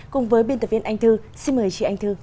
cùng với biên tập viên anh thư xin mời chị anh thư